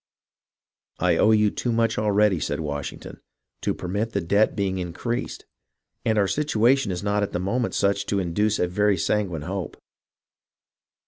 "I owe you too much, already," said Washington, "to permit the debt being increased ; and our situation is not at this moment such as to induce a very sanguine hope."